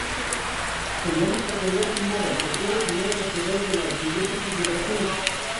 Se llama "catedral primada" porque es la primera catedral de la arquidiócesis de Brasil.